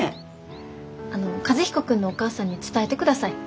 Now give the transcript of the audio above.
あの和彦君のお母さんに伝えてください。